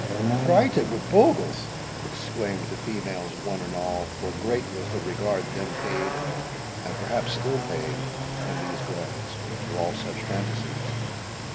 "Frighted wi' bogles!" exclaimed the females, one and all, for great was the regard then paid, and perhaps still paid, in these glens, to all such fantasies.